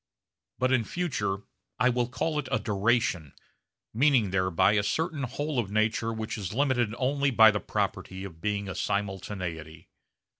But in future I will call it a 'duration,' meaning thereby a certain whole of nature which is limited only by the property of being a simultaneity.